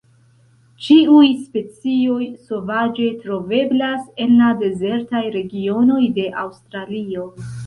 Ĉiuj specioj sovaĝe troveblas en la dezertaj regionoj de Aŭstralio.